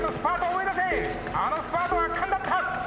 あのスパート圧巻だった！